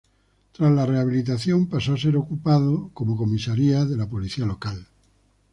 Tras la rehabilitación pasó a ser ocupado como comisaría de la policía local.